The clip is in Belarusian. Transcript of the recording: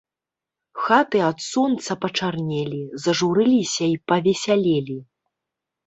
Хаты ад сонца пачарнелі, зажурыліся і павесялелі.